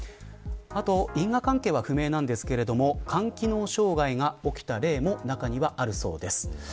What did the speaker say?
あと、因果関係は分かりませんが肝機能障害が起きた例もあるそうです。